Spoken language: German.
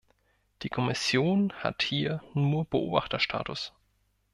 Die Kommission hat hier nur Beobachterstatus.